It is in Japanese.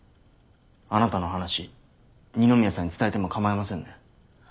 あなたの話二宮さんに伝えても構いませんね？